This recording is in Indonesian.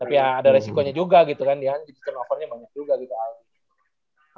tapi ya ada resikonya juga gitu kan dia kan turnovernya banyak juga gitu aldi